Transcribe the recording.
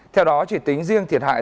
theo đó chỉ tính riêng thiệt hại